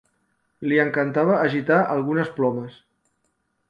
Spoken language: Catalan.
Li encantava agitar algunes plomes.